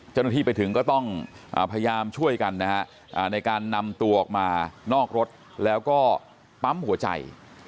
เจ้าหน้าที่ไปถึงก็ต้องพยายามช่วยกันนะฮะในการนำตัวออกมานอกรถแล้วก็ปั๊มหัวใจ